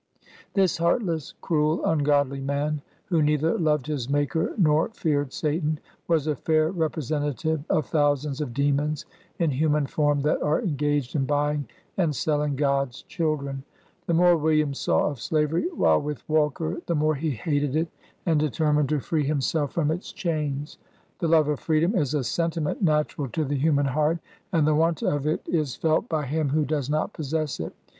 This heartless, cruel, ungodly man, who neither loved his Maker nor feared Satan, was a fair repre sentative of thousands of demons in human form that are engaged in buying and selling God's children. The more William saw of slavery, while with Walker, the more he hated it, and determined to free himself 28 BIOGRAPHY OF from its chains. The love of freedom is a sentiment natural to the human heart, and the want of it is felt by him who does not possess it.